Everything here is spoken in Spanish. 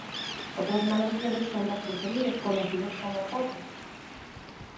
Otros manantiales son de acceso libre, conocidos como "Pozas".